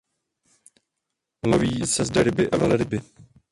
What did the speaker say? Loví se zde ryby a velryby.